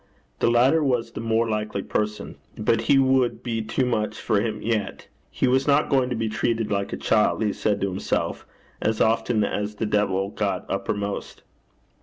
The latter was the more likely person. But he would be too much for him yet; he was not going to be treated like a child, he said to himself, as often as the devil got uppermost.